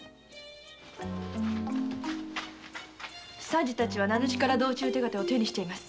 三次たちは道中手形を手にしています。